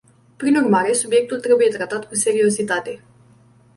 Prin urmare, subiectul trebuie tratat cu seriozitate.